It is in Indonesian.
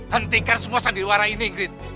hentikan semua sandiwara ini grid